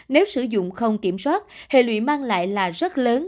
nếu sử dụng không kiểm soát hệ lụy mang lại là rất lớn